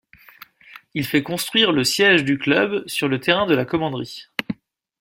Il fait construire le siège du club sur le terrain de la Commanderie.